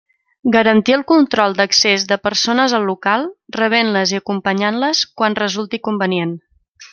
Garantir el control d'accés de persones al local, rebent-les i acompanyant-les quan resulti convenient.